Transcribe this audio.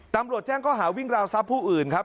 ตำรวจแจ้งข้อหาวิ่งราวทรัพย์ผู้อื่นครับ